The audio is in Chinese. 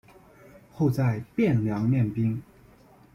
后在汴梁练兵。